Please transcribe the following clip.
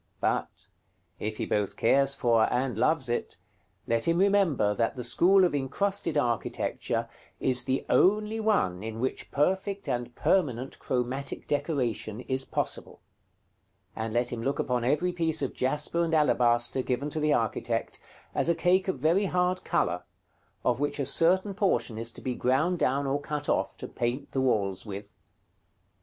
But, if he both cares for and loves it, let him remember that the school of incrusted architecture is the only one in which perfect and permanent chromatic decoration is possible; and let him look upon every piece of jasper and alabaster given to the architect as a cake of very hard color, of which a certain portion is to be ground down or cut off, to paint the walls with.